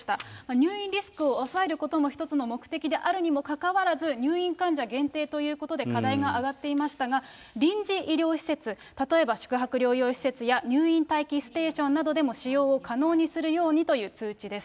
入院リスクを抑えることも一つの目的であるにもかかわらず、入院患者限定ということで課題が挙がっていましたが、臨時医療施設、例えば宿泊療養施設や入院待機ステーションなどでも、使用を可能にするようにという通知です。